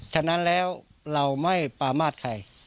ฉะนั้นแล้วเราไม่ปามาตรใคร